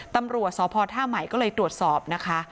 ตำรวจสพท่าใหม่ก็เลยตรวจสอบนะคะ